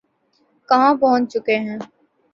کہاں پہنچ چکے ہیں۔